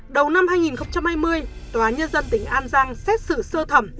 đầu năm hai nghìn hai mươi tòa nhân dân tỉnh an giang xét xử sơ thẩm